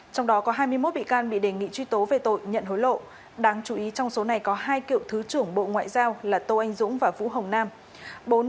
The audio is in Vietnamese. trong đó có hai mươi một bị can bị đề nghị truy tố về tội nhận hối lộ đáng chú ý trong số này có hai cựu thứ trưởng bộ ngoại giao là tô anh dũng và vũ hồng nam